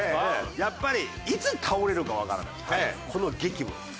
やっぱりいつ倒れるかわからないこの激務。